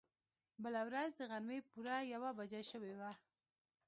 بله ورځ د غرمې پوره يوه بجه شوې وه.